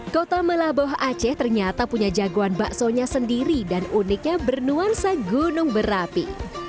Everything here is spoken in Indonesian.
kota melaboh aceh ternyata punya jagoan baksonya sendiri dan uniknya bernuansa gunung berapi